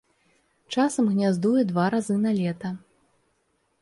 Часам гняздуе два разы на лета.